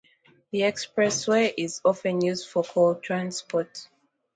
The expressway is often used for coal transport.